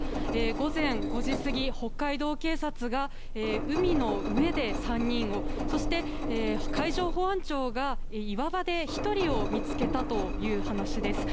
午前５時過ぎ北海道警察が海の上で３人をそして海上保安庁が岩場で１人を見つけたという話です。